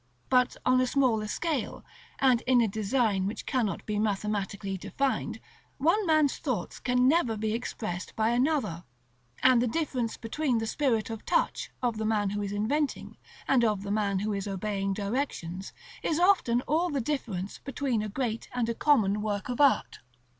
But on a smaller scale, and in a design which cannot be mathematically defined, one man's thoughts can never be expressed by another: and the difference between the spirit of touch of the man who is inventing, and of the man who is obeying directions, is often all the difference between a great and a common work of art.